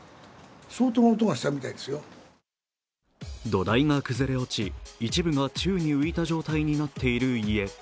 土台が崩れ落ち一部が宙に浮いた状態になっている家。